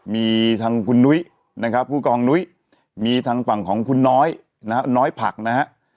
มีทางคุณนุ้ยนะครับผู้กองนุ้ยมีทางฝั่งของคุณน้อยนะฮะน้อยผักนะฮะ